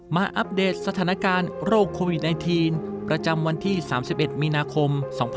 อัปเดตสถานการณ์โรคโควิด๑๙ประจำวันที่๓๑มีนาคม๒๕๖๒